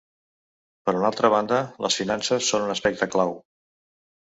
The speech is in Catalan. Per una altra banda, les finances són un aspecte clau.